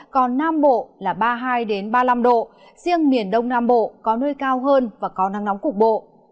còn nam bộ là ba mươi hai ba mươi năm độ riêng miền đông nam bộ có nơi cao hơn và có nắng nóng cục bộ